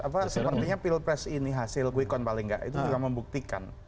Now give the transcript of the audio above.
ya ya ya sepertinya pilpres ini hasil gwikon paling nggak itu sudah membuktikan